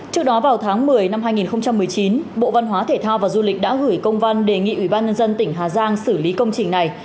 trước đó vào tháng một mươi năm hai nghìn một mươi chín bộ văn hóa thể thao và du lịch đã gửi công văn đề nghị ubnd tỉnh hà giang xử lý công trình này